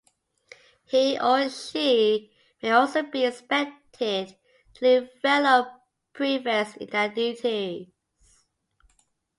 He or she may also be expected to lead fellow prefects in their duties.